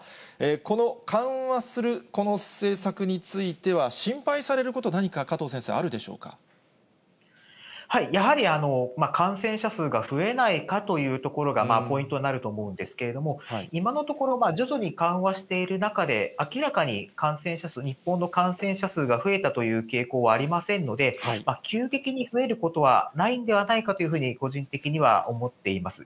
この緩和するこの政策については、心配されること、やはり、感染者数が増えないかというところがポイントになると思うんですけれども、今のところ、徐々に緩和している中で、明らかに感染者数、日本の感染者数が増えたという傾向はありませんので、急激に増えることはないんではないかというふうに、個人的には思っています。